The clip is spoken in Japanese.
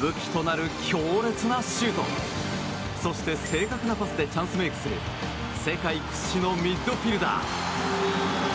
武器となる強烈なシュートそして、正確なパスでチャンスメイクする世界屈指のミッドフィールダー。